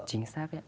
chính xác đấy